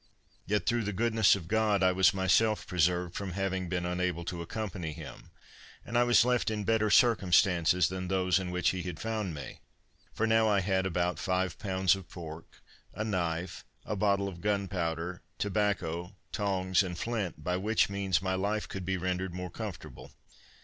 Yet through the goodness of God, I was myself preserved from having been unable to accompany him; and I was left in better circumstances than those in which he had found me, for now I had about five pounds of pork, a knife, a bottle of gunpowder, tobacco, tongs and flint, by which means my life could be rendered more comfortable.